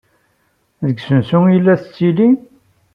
Deg usensu i la tettili?